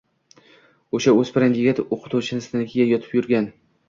O’sha o’spirin yigit o‘qituvchisinikida yotib yurgan.